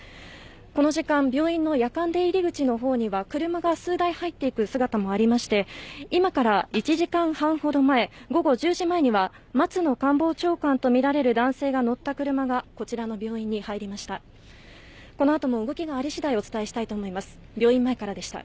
この時間、病院の夜間出入り口のほうには車が数台入っていく姿もありまして、今から１時間半ほど前、午後１０時前には、松野官房長官と見られる男性が乗った車がこちらの病院に入りました。